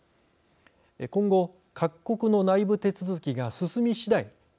今後各国の内部手続きが進みしだい